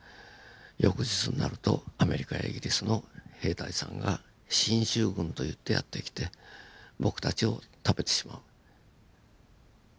翌日になるとアメリカやイギリスの兵隊さんが進駐軍といってやって来て僕たちを食べてしまう。